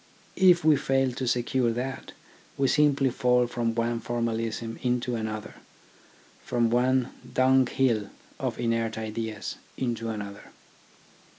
If we fail to secure that, we simply fall from one formalism into another, from one dung hill of inert ideas into another.